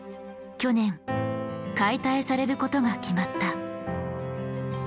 去年解体されることが決まった。